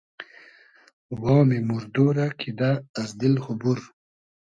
وامی موردۉ رۂ کیدۂ از دیل خو بور